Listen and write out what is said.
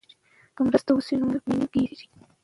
که مرسته وشي نو مال به نیم کیږي.